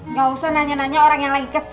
nggak usah nanya nanya orang yang lagi kesel